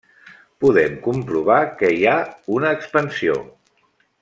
Podem comprovar que hi ha una expansió.